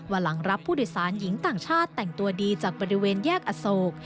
หลังรับผู้โดยสารหญิงต่างชาติแต่งตัวดีจากบริเวณแยกอโศก